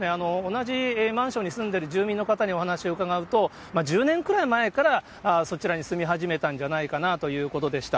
同じマンションに住んでる住人の方にお話伺うと、１０年くらい前からそちらに住み始めたんじゃないかなということでした。